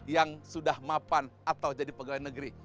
yang sudah mapan atau jadi pegawai negeri